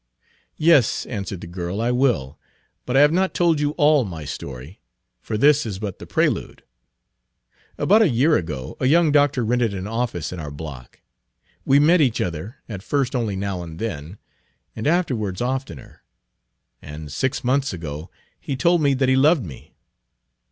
"Yes," answered the girl, "I will. But I have not told you all my story, for this is but Page 48 the prelude. About a year ago a young doctor rented an office in our block. We met each other, at first only now and then, and afterwards oftener; and six months ago he told me that he loved me."